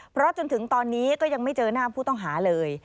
เพราะจนถึงตอนนี้ก็ยังไม่เจอหน้าผู้ต้องหาเลย